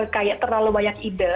kayak terlalu banyak ide